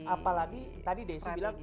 apalagi tadi desi bilang